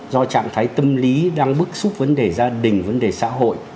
do trạng thái tâm lý đang bức xúc vấn đề gia đình vấn đề xã hội